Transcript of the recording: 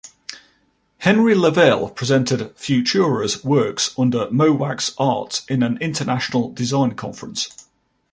Henry Lavelle presented Futura's works under Mo' Wax Arts in an international design conference.